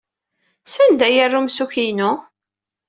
Sanda ay yerra amsukki-inu?